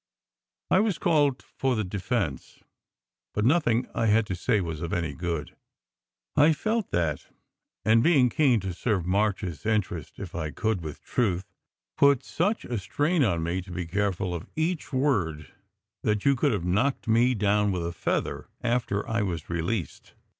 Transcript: I was called for the defence, but nothing I had to say was of any good. I felt that; and being keen to serw* March s interest if I could with truth, put such a strain on me to be careful of each word that you could have knocked me down with a feather after I was released.